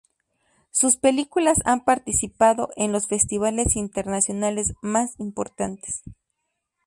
Sus películas han participado en los festivales internacionales más importantes.